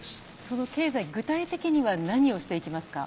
その経済具体的には何をして行きますか？